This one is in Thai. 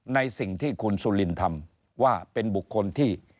ในสิ่งที่คุณสุลินทำว่าเป็นบุคคลที่